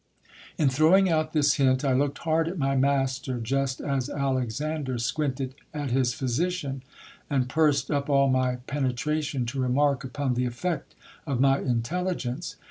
In throwing out this hint, I looked hard at my master, just as Alexander squinted it his physician, and pursed up all my penetration to remark upon the effect of my intelligence.